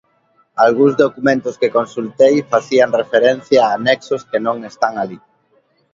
Algúns documentos que consultei facían referencia a anexos que non están alí.